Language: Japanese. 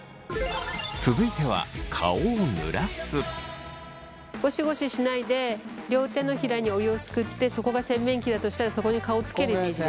続いてはゴシゴシしないで両手のひらにお湯をすくってそこが洗面器だとしたらそこに顔をつけるイメージです。